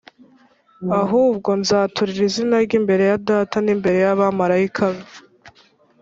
ahubwo nzatūrira izina rye imbere ya Data n’imbere y’abamarayika be.